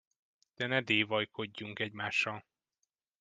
De ne dévajkodjunk egymással!